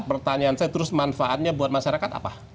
pertanyaan saya terus manfaatnya buat masyarakat apa